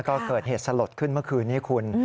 ก็เกิดเหตุสลดขึ้นเมื่อคืนนี้คุณ